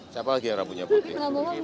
siapa lagi yang rambunya putih